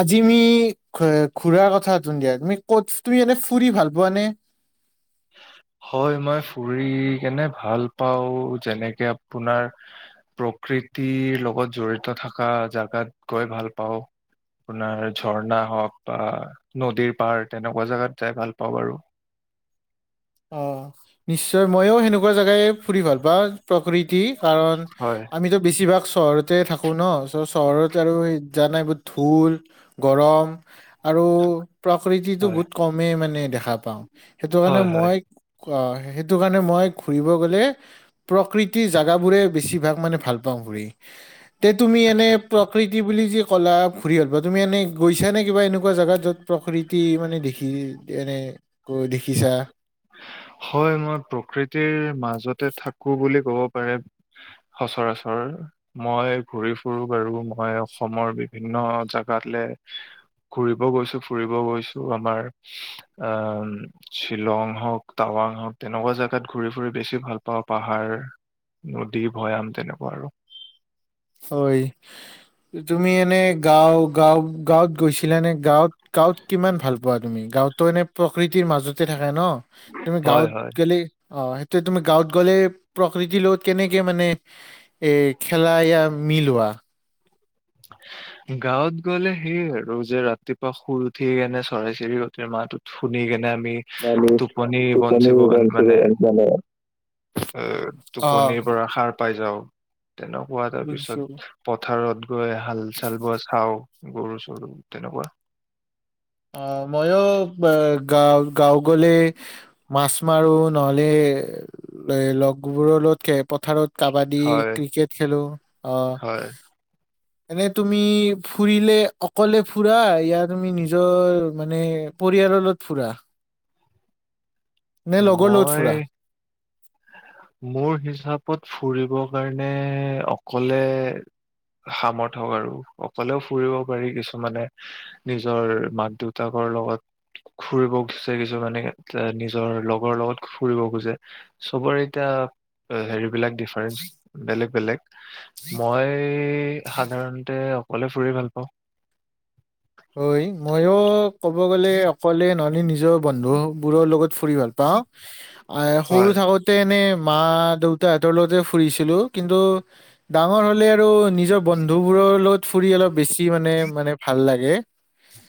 আজি মি খৱে খু ঘুৰাৰ কথা হটোন দিয়া তুমি ক'ত তুমি এনে ফুৰি ভাল পোৱা নে? হয় মই ফুৰি কেনে ভাল পাওঁ যেনেকে আপোনাৰ প্ৰকৃতিৰ লগত জড়িত থকা জাগাত গৈ ভাল পাওঁ আপোনাৰ ঝৰ্ণা হওক বা নদীৰ পাৰ তেনেকুৱা জাগাত যাই ভাল পাওঁ বাৰু অ নিশ্চয় মইয়ো সেনেকুৱা জাগাই ফুৰি ভাল বা প্ৰকৃৃত কি কাৰণ হয় আমিতো বেছিভাগ চহৰতে থাকো ন তাৰ চহৰত আৰু সেই জা নাই বহুত ঢোল গৰম আৰু প্ৰকৃতিতটো হয় বহুত কমেই মানে দেখা পাওঁ সেইটো কাৰণে হয় হয় মই অ সেইটো কাৰণে মই ঘূৰিব গ'লে প্ৰকৃতিৰ জাগাবোৰে বেছিভাগ মানে ভাল পাওঁ ঘূৰি তে তুমি এনে আচ্ছা প্ৰকৃতি বুলি যি ক'লা ঘুৰি হ'ল বা তুমি এনে গৈছা নে কিবা এনেকুৱা জেগাত য'ত প্ৰকৃতি মানে দেখি এনে দেখিছা হয় মই প্ৰকৃতিৰ মাজতে থাকো বুলি ক'ব পাৰে সচৰাচৰ মই ঘূৰি ফুুৰো বাৰু মই অসমৰ বিভিন্ন জোগাতলে ঘুৰিব গৈছো ফুৰিব গৈছো আমাৰ আহ শ্বিলং হওক টাৱাং হওক তেনেকুৱা জেগাত ঘূৰি ফুৰি বেছি ভাল পাওঁ পাহাৰ নদী ভৈয়াম তেনেকুৱা আৰু হয় তুমি এনে গাওঁ গাওঁ গাঁৱত গৈছিলানে গাঁৱত গাঁৱত কিমান ভাল পোৱা তুমি গাওঁতো এনে প্ৰকৃতিৰ মাজতে থাকে ন তুমি হয় গাঁৱত হয় গেলে অ তে তুমি গাঁৱত গ'লে প্ৰকৃতিৰ লগত কেনেকে মানে এ খেলা ইয়া মিলোৱা গাঁৱত গ'লে সেইয়ে আৰু যে ৰাতিপুৱা শুই উঠি কেনে চৰাই চিৰিকতি মাত শুনি কেনে আমি টোপনি বঞ্চিবন মানে এ অ টোপনিৰ পৰা সাৰ পাই যাওঁ তেনেকুৱা তাৰ বুজিছো পিছত পথাৰত গৈ হাল চাল বোৱা চাওঁ গৰু চৰু তেনেকুৱা অ মইও অবা গাঁও গাঁও গলে এ মাছ মাৰো নহ'লে লগবোৰৰ লগত খ পথাৰত কাবাডী, হয় ক্ৰিকেট খেলো অ হয় এনে তুমি ফুৰিলে অকলে ফুৰা নে তুমি নিজৰ মানে পৰিয়ালৰ লগত ফুৰা নে লগৰ লগত মই ফুৰা মোৰ হিচাপত ফুৰিব বাৰণে অকলে সামৰ্থক আৰু অকলেও ফুৰিব পাৰি কিছুমানে নিজৰ মাক দেউতাকৰ লগত ফুৰিব খোজে কিছুমানে নিজৰ লগৰ লগত ফুৰিব খোজে চবৰে এতিয়া হেৰিবিলাক ডিফাৰেঞ্চ বেলেগ বেলেগ মই সাধাৰণতে অকলে ফুৰি ভাল পাওঁ ঐ মইয়ো ক'ব গ'লে অকলে নহলে নিজৰ বন্ধু বোৰৰ লগত ফুৰি ভাল পাওঁ আহ সৰু হয় থাকোতে এনে মা দেউতাহঁতৰ লগতে ফুৰিছিলো কিন্তু ডাঙৰ হলে আৰু নিজৰ বন্ধু বোৰৰ লগত ফুৰি অলপ বেছি কি মানে মানে ভাল লাগে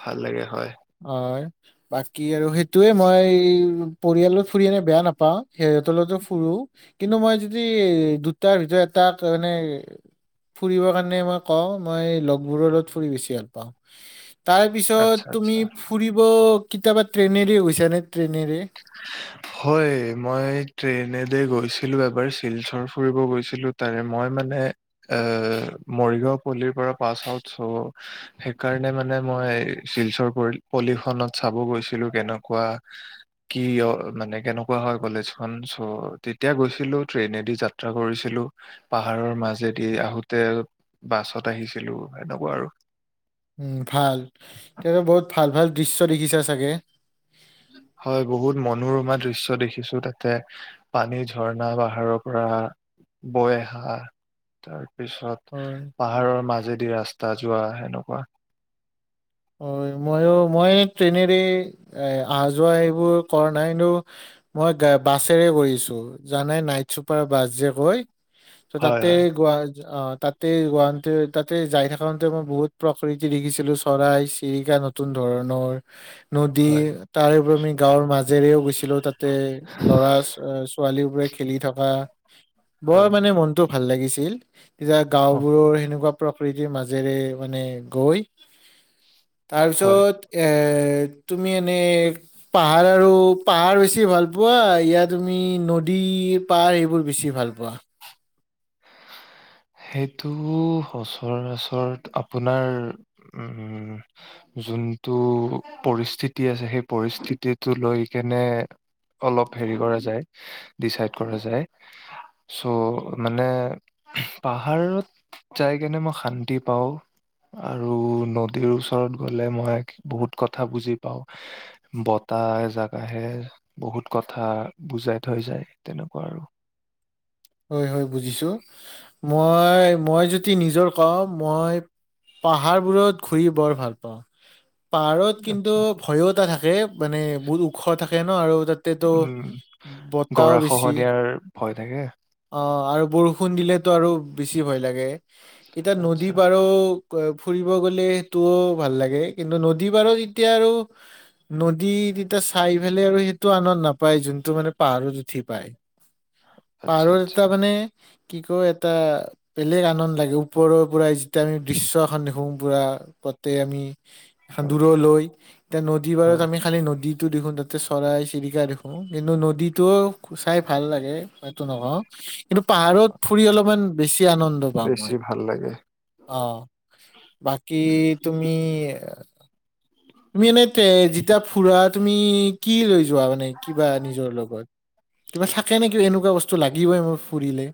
ভাল লাগে হয় হয় বাকী আৰু সেই টোয়ে মই পৰিয়ালত ফুৰি এনে বেয়া নাপাওঁ পাওঁ সিহঁতৰ লগতো ফুুৰো কিন্তু মই যদি দুটাৰ ভিতৰত এটা মানে ফুৰিব কাৰণে মই কওঁ মই লগবোৰৰ লগত ফুৰি বেছি ভাল পাওঁ তাৰ আচ্ছা পিছত আচ্ছা তুমি ফুৰিব কেতিয়াবা ট্ৰেইনেদি গৈছা নে ট্ৰেইনেৰে হয় মই ট্ৰেইনেদি গৈছিলো এবাৰ শিলচৰ ফুৰিব গৈছিলো তাৰে মই মানে এ মৰিগাঁও পল্লিৰ পৰা পাছ আউট চ' সেইকাৰণে মানে মই শিলচৰ প পল্লিখনত চাব গৈছিলো কেনেকুৱা কি অ মানে কেনেকুৱা হয় কলেজখন চ' তেতিয়া গৈছিলো ট্ৰেইনেদি যাত্ৰা কৰিছিলো পাহাৰৰ মাজেদি আহোতে বাছত আহিছিলো এনেকুৱা আৰু উম ভাল তেনেকে বহুত ভাল ভাল দৃশ্য দেখিছা চাগে হয় বহুত মনোৰমা দৃশ্য দেখিছো তাতে পানী ঝৰ্ণা পাহাৰৰ পৰা বৈ আহা তাৰ পিছত হয় পাহাৰৰ মাজেদি ৰাস্তা তাজোৱা সেনেকুৱা অ ময়ো মই ট্ৰেইনেৰে আহা যোৱা এইবোৰ কৰা নাই কিন্তু মই গা বাছেৰে কৰিছো জানাই নাইট চুপাৰ বাছ যে কয় ত হয় তাতে হয় গোৱা অ তাতে গুৱাহাটী তাতে যাই থাকোতে মই বহুত প্ৰকৃতি দেখিছিলো চৰাই চিৰিকা নতুন ধৰণৰ নদী হয় তাৰে পৰা আমি গাঁৱৰ মাজ জেৰেও গৈছিলো তাত তে ল'ৰা ছো ছোৱালীও খেলি থকা বৰ হয় হয়। মানে মনটো ভাল লাগিছিল এতিয়া গাঁও অ' বোৰৰ সেনেকুৱা প্ৰকৃতিৰ মাজেৰে মানে গৈ হয়। তাৰপিছত এ তুমি এনেই পাহাৰ আৰু পাহাৰ বেছি ভাল পোৱা ইয়া তুমি নদী, পাহাৰ এইবোৰ বেছি ভাল পোৱা? সেইটো সচৰাচৰ আপোনাৰ উম যোনটো পৰিস্থিতি আছে, সেই পৰিস্থিতিটো লৈ কেনে অলপ হেৰি কৰা যায় ডিচাইড কৰা যায় চ' মানে পাহাৰত যাই কেনে মই শান্তি পাওঁ, আৰু নদীৰ ওচৰত গলে মই বহুত কথা বুজি পাওঁ, বতাহ এজাক আহে বহুত কথা বুজাই থৈ যায় তেনেকুৱা আৰু হয় হয় বুজিছো, মই, মই যদি নিজৰ কওঁ মই পাহাৰবোৰত ঘূৰি বৰ ভাল পাওঁ পাহাৰত কিন্তু আচ্ছা ভয়ো এটা থাকে, মানে বহুত ওখ থাকে [inaudible] আৰু তাতে তো উম গৰা বটাহও বেছি খহনীয়াৰ ভয় থাকে অঁ আৰু বৰষুণ দিলেতো আৰু বেছি ভয় লাগে এতিয়া আচ্ছা নদীৰ পাৰ ও ফুৰিব গ'লে সেইটোও ভাল লাগে, কিন্তু নদী বাৰু তেতিয়া আৰু নদী তেতিয়া চাই পেলাই আৰু সেইটো আনন্দ নাপায়, যোনটো মানে পাহাৰত উঠি পায় আচ্ছা পাহাৰত আচ্ছা এটা মানে কি কয় এটা বেলেগ আনন্দ লাগে ওপৰৰ পৰা যেতিয়া আমি দৃচ্ছ এখন দেখো পুৰা গতে আমি হয় দূৰলৈ এতিয়া নদীপাৰত হয় আমি খালি নদীত নদী খন তাতে চৰাই চিৰিকা দেখো, কিন্তু নদীটোও চাই ভাল লাগে কিন্তু পাহাৰত ফুৰি অলপমান বেছি আনন্দ পাম বেছি মই, ভাল লাগে অ বাকী তুমি তুমি এনেই তে যেতিয়া ফুৰা তুমি কি লৈ য যোৱা মানে কিবা নিজৰ লগত কিবা থাকে নেকি এনেকুৱা বস্তু লাগে [unintelligible] ফুৰিলে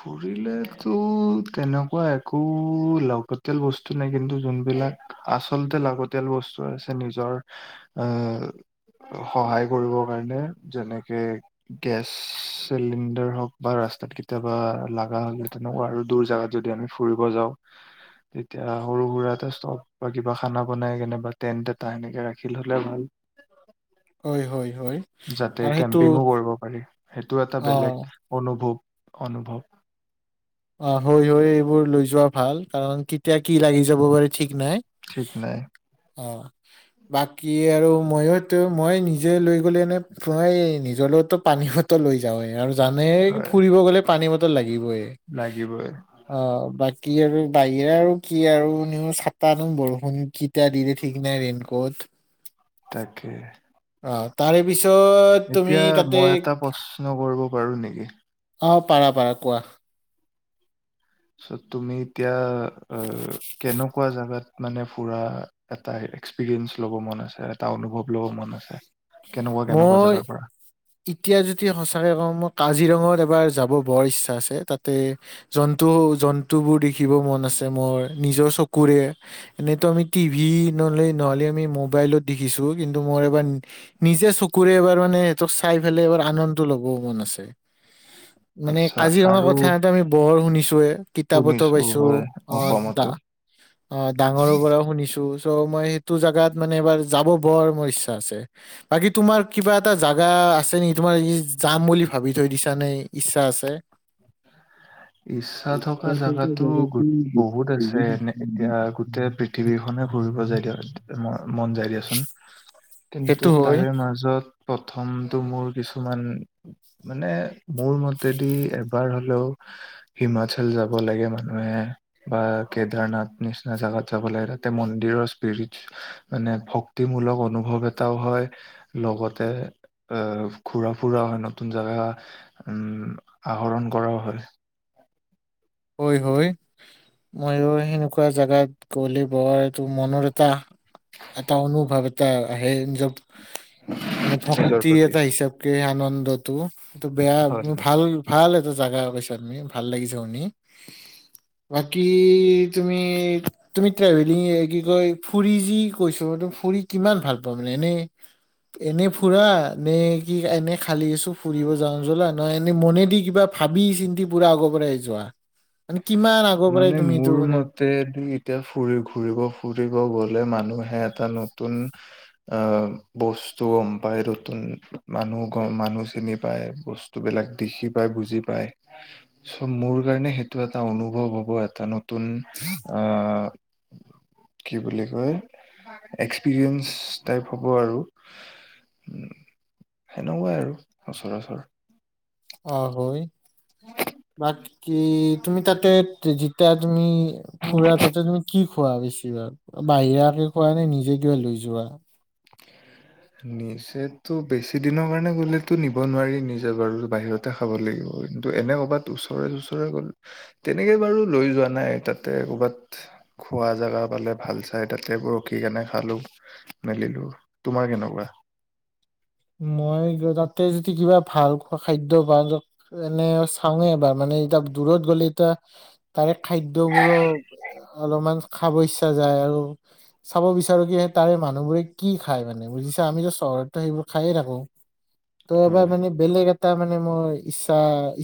ফুৰিলেতো তেনেকুৱা একো লাগতিয়াল বস্তু নাই, কিন্তু যোনবিলাক আচলতে লাগতিয়াল বস্তু আছে নিজৰ আহ সহায় কৰিব কাৰণে যেনেকে, গেছ চিলিণ্ডাৰ হওঁক বা ৰাস্তাত কি কেতিয়াবা লাগাহলে তেনেকুৱা আৰু দুৰ জাগাত যদি আমি ফুৰিব যাওঁ, তেতিয়া সৰু সুৰা এটা ষ্টভ বা কিবা খানা বনাই কেনেবা টেণ্ট এটা এনেকে ৰাখিল হ'লে ভাল হয় হয় হয় যাতে আৰু সেইটো কেম্পিঙো কৰিব পাৰি, সেইটো এটা অ বেলেগ অনুভৱ অনুভৱ অ হয় হয় এইবোৰ লৈ যোৱা ভাল কাৰণ কেতিয়া কি লাগি যাব পাৰি ঠিক নাই ঠিক নাই অহ বাকী আৰু ময়োতো মই নিজে লৈ গ'লে এনে প্ৰায় নিজৰ লগতো পানী বতল লৈ যাওঁৱেই আৰু মানে কি হয় ফুৰিব গ'লে পানী ব লাগিবই লাগিবই অ' বাকি আৰু বাহিৰে আৰু কি আৰু নো চাতানো বৰষুণ কেতিয়া দি দেই ঠিক নাই ৰেইনকোট তাকে অ তাৰে বিছ এতিয়া মই এটা প্ৰশ্ন কৰিব পাৰো নেকি? অ', পাৰা পাৰা কোৱা তুমি এতিয়া অ', কেনু পোৱা জাগাত মানে ফুৰা এটা এক্সপিৰিয়েঞ্চ ল'ব মন আছে এটা অনুভৱ ল'ব মন আছে কেনেকুৱা কেনেকুৱা মই জেগাৰ পৰা এতিয়া যদি সঁচাকে কওঁ মই কাজিৰঙা এ বাৰ যাব বৰ ইচ্ছা আছে তাতে জন্তু জন্তু বোৰ দেখিব মন আছে মোৰ নিজৰ চকুৰে এনেইতো আমি টিভি নহ'লে নহ'লে আমি মো ম'বাইলত দেখিছো কিন্তু মোৰ এবাৰ নিজে চকুৰে এবাৰ মানে চাই ফলে এবাৰ আনন্দ ল'ব মন আছে মানে আচ্ছা কাজিৰঙা আৰু কথা এটা আমি বৰ শুনি ছুৱে কিতাপতো শুনিছো পাইছো হয় অ', ডা অসমতো অ', ডাঙৰৰ পৰাও শুনিছো ত' মই সেইটো জোগাত মানে এবাৰ যাব বৰ মোৰ ইচ্ছা আছে বাকী তোমাৰ কিবা এটা জাগা আছে নেকি তোমাৰ যাম বুলি ভাবি থৈ দিছা নে ইচ্ছা আছে? ইচ্ছা থকা জোগাতো গু বহুত আছে এনে এতিয়া গোটেই পৃথিৱীখনে ফুৰিব যাই দিয়া ম ম মন যায় দিয়াচোন কিন্তু সেইটো হয় তাৰে মাজত প্ৰথমতটো মোৰ কিছুমান মানে মোৰ মতেদি এবাৰ হ'লেও হিমাচল যাব লাগে মানুহে বা কেদাৰনাথ নিচিনা জোগাত যাব লাগে তাতে মন্দিৰৰ স্পিৰিট মানে ভক্তিমূলক অনুভৱ এটাও হয় লগতে এহ ঘূৰা-ফুৰাও হয় নতুন জেগা উম আহৰণ কৰাও হয় হয় হয় ময়ো সেনেকুৱা জেগাত গ'লে বোৱাৰ এইটো মনৰ এটা এটা অনুভৱ এটা আহে [unintelligible] মানে নিজৰ ভক্তি প্ৰতি এটা হিচাপকে আনন্দটো তটো বেয়া হয় ভাল ভাল জাগা পাইছা তুমি ভাল লাগিছা শুনি বাকী তুমি তুমি ট্ৰেভেলিং কি কয় ফুৰি যি কৈছো ফুৰি কিমান ভাল পোৱা মানে এনে এনে ফুৰা নে কি এনে খালি আছো ফুৰিব যাওঁ জলা নহ এনে মনে দি কিবা ভাবি চিন্তি পুৰা আগৰ পৰাই যোৱা। মানে কিমান আগৰ পৰাই মানে তুমি এইটো মোৰ মানে মতেদি এতিয়া ফুৰি ঘূৰিব ফুৰিব গ'লে মানুহে এটা নতুন অহ' বস্তু গম পাই নতুন মানুহ গম মানুহ চিনি পায় বস্তুবিলাক দেখি পায় বুজি পায় চ' মোৰ কাৰণে সেইটো এটা অনুভ অ হ'ব এটা নতুন অহ' কি বুলি কয় এক্সপিৰিয়েঞ্চ টাইপ হ'ব আৰু উম সেনেকুৱাই আৰু সচৰাচৰ অহ' হয় বাকী তুমি তাতে, যিতিয়া তুমি। ফুৰা তাতে তুমি কি? খোৱা বেছিভাগ বাহিৰাকে খোৱা নে নিজে কিবা লৈ যোৱা। নিজেতো বেছি দিনৰ কাৰণে গলেতো নিব নোৱাৰি নিজে বাৰু বাহিৰতে খাব লাগিব। কিন্তু এনে ক'ৰবাত ওচৰে চোচৰে গ'লে তেনেকে বাৰু লৈ যোৱা নাই তাতে কৰবাত খোৱা জেগা পালে ভাল চাই তাতেব ৰখি কেনে খালো মেলিলো। তোমাৰ কেনেকুৱা? ৱাহ। মই তাতে যদি কিবা ভাল খোৱা খাদ্য পাওঁ এনে চাওঁয়ে এবাৰ মানে এতিয়া দূৰত গ'লে এতিয়া তাৰে। খাদ্য বোৰো। অলপমান খাব ইচ্ছা যায় আৰু চাব বিচাৰো কি তাৰে মানুহবোৰে কি খায়। মানে বুজিছা আমিতো চহৰতো সেইবোৰ। খাইয়ে থাকো। ত' এবাৰ হয় মে বেলেগ। টা মানে মোৰ ইচ্ছা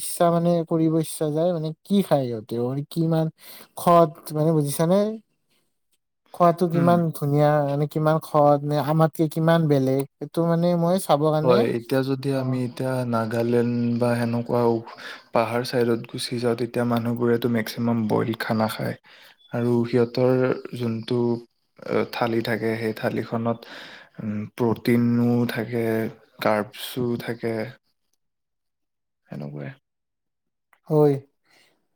ইচ্ছা মানে কৰিব ইচ্ছা যায় মানে কি খায় সিহঁতে অৰ কিমান খত মানে বুজিছানে? খোৱাতটো উম কিমান ধুনীয়া মানে কিমান। খৰত নে আমাতকে কিমান বেলেগ সেইটো মানে। মই। চাব কাৰণে হয় এতিয়া যদি অ আমি এতিয়া নাগালেণ্ড বা সেনেকুৱা উ। পাহাৰ ছাইডত গুচি যাওঁ তেতিয়া, মানুহবোৰেতো মেক্সিমাম বইল খানা খায়, আৰু সিহঁতৰ যোনটো থালি থাকে, সেই থালিখনত হম্ প্ৰটিনো থাকে কাৰ্ভশো থাকে। সেনেকুৱাই। ঐ,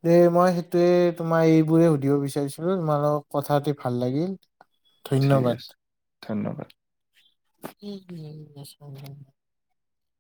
যে, মই ', সেইটোৱে তোমাৰ এইবোৰে সুধিব বিচাৰিছিলো, তোমাৰ কথা পাতি ভাল লাগিল। ঠিক আছে, ধন্যবাদ ধন্যবাদ। [unintelligible]